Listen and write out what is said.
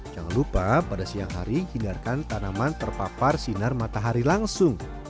jangan lupa pada siang hari hindarkan tanaman terpapar sinar matahari langsung